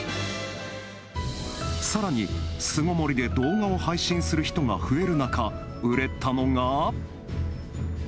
さらに、巣ごもりで動画を配信する人が増える中、売れたのが。